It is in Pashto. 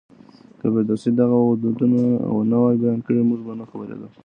که فردوسي دغه ودونه نه وای بيان کړي، موږ به نه خبرېدو.